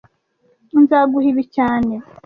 Nzaguha ibi cyane